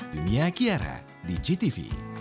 dunia kiara di jtv